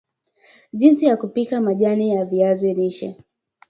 jinsi ya kupika majani ya viazi lishe